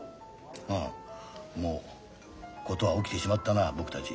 うんもうコトは起きてしまったな僕たち。